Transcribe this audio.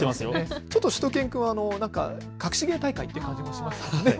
ちょっとしゅと犬くんは隠し芸大会って感じもしますね。